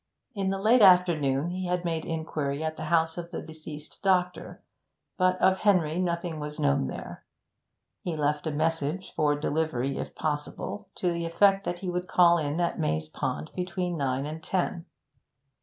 In the afternoon he had made inquiry at the house of the deceased doctor, but of Henry nothing was known there; he left a message for delivery if possible, to the effect that he would call in at Maze Pond between nine and ten.